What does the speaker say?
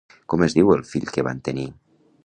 Com es diu el fill que van tenir?